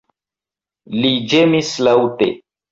Li ĝemis laŭte.